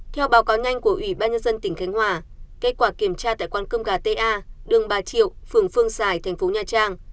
theo báo cáo nhanh của ủy ban nhân dân tỉnh khánh hòa kết quả kiểm tra tại quán cơm gà ta đường bà triệu phường phương xài thành phố nha trang